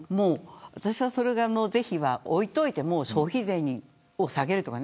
私はその是非は置いておいても消費税を下げるとか。